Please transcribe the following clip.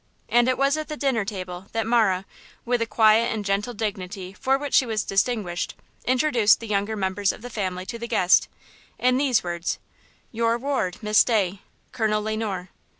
And it was at the dinner table that Marah, with the quiet and gentle dignity for which she was distinguished, introduced the younger members of the family to the guest, in these words: "Your ward, Miss Day, Colonel Le Noir."